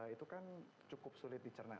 itu kan cukup sulit dicerna